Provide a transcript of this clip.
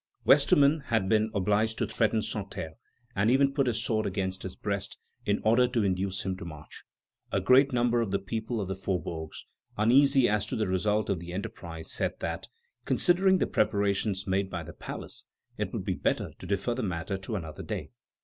Westermann had been obliged to threaten Santerre, and even to put his sword against his breast, in order to induce him to march. A great number of the people of the faubourgs, uneasy as to the result of the enterprise, said that, considering the preparations made by the palace, it would be better to defer the matter to another day.